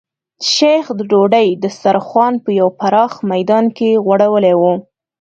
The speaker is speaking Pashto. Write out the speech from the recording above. شیخ د ډوډۍ دسترخوان په یو پراخ میدان کې غوړولی و.